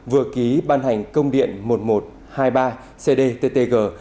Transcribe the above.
vừa ký ban hành công điện một nghìn một trăm hai mươi ba cdttg